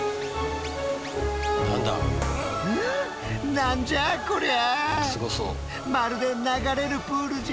何じゃこりゃ！？